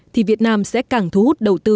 thì việt nam sẽ càng thu hút đầu tư